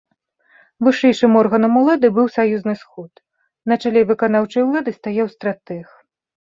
Вышэйшым органам улады быў саюзны сход, на чале выканаўчай улады стаяў стратэг.